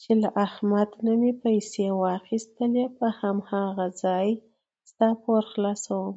چې له احمد نه مې پیسې واخیستلې په هماغه ځای ستا پور خلاصوم.